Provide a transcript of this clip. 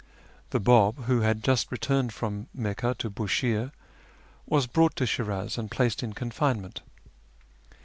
The Bi'ib, who had just returned from Mecca to Bushire, was brought to Shiraz and placed in confinement.